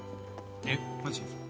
えっマジ？